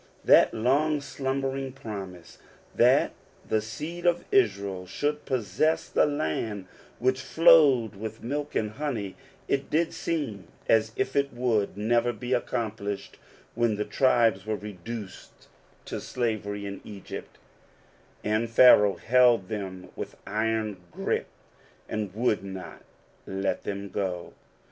That long slumbering promise, that the^ seed of Israel should possess the land which flowed ^ with milk and honey ; it did €eem as if it would never be accomplished, when the tribes were reduced to slavery in Egypt, and Pharaoh held them with iron grip, and would not let them go.